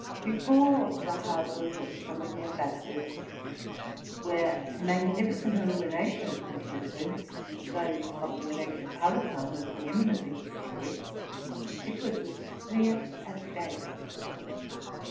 Before the houses of some of the ambassadors, where magnificent illuminations. were exhibited,—those of the Elector Palatine were pre eminently distinguished, —it was as clear as day.